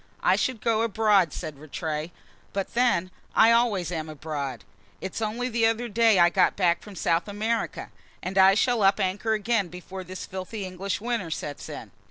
"I should go abroad," said Rattray. "But then, I always am abroad; it's only the other day I got back from South America, and I shall up anchor again before this filthy English winter sets in."